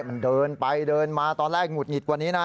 มันเดินไปเดินมาตอนแรกหงุดหงิดกว่านี้นะ